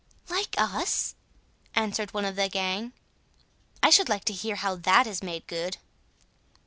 "Like us?" answered one of the gang; "I should like to hear how that is made good."